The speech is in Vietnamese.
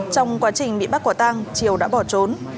trong quá trình bị bắt quả tang triều đã bỏ trốn